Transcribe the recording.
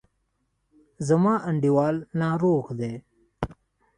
زما انډیوال ناروغ دی.